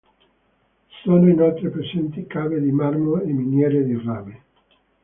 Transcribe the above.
Sono inoltre presenti cave di marmo e miniere di rame.